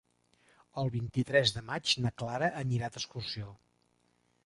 El vint-i-tres de maig na Clara anirà d'excursió.